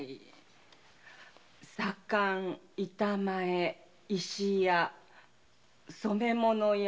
左官板前石屋染物屋。